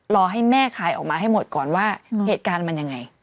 รอให้แม่คลายออกมาให้หมดก่อนว่าเหตุการณ์มันยังไง